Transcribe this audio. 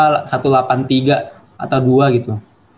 atau satu ratus delapan puluh tiga atau dua gitu